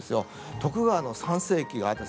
徳川の３世紀がですね